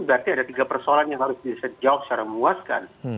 berarti ada tiga persoalan yang harus disesuaikan secara muaskan